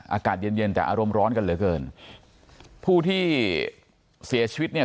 อากาศเย็นเย็นแต่อารมณ์ร้อนกันเหลือเกินผู้ที่เสียชีวิตเนี่ย